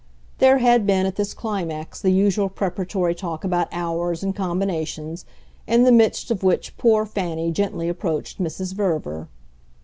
There had been, at this climax, the usual preparatory talk about hours and combinations, in the midst of which poor Fanny gently approached Mrs. Verver.